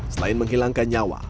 selain menghilangkan nyawa